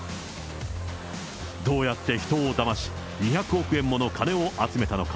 どうやって人をだまし、２００億円もの金を集めたのか。